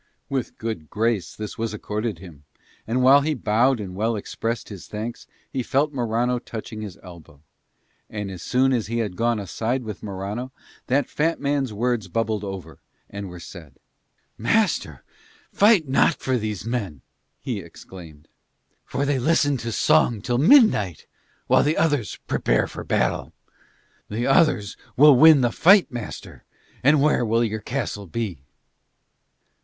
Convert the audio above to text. With good grace this was accorded him, and while he bowed and well expressed his thanks he felt Morano touching his elbow. And as soon as he had gone aside with Morano that fat man's words bubbled over and were said. "Master, fight not for these men," he exclaimed, "for they listen to song till midnight while the others prepare for battle. The others will win the fight, master, and where will your castle be?"